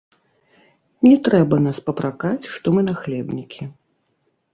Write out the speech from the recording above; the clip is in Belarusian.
Не трэба нас папракаць, што мы нахлебнікі.